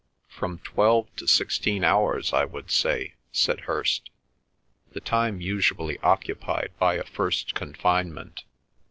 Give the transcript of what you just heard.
"From twelve to sixteen hours I would say," said Hirst. "The time usually occupied by a first confinement."